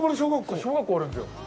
そう、小学校があるんですよ。